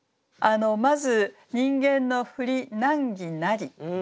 まず「人間のふり難儀なり」ですね。